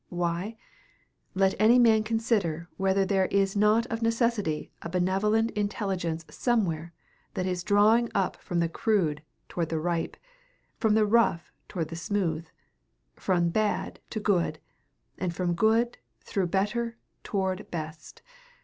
Why? Let any man consider whether there is not of necessity a benevolent intelligence somewhere that is drawing up from the crude toward the ripe, from the rough toward the smooth, from bad to good, and from good through better toward best.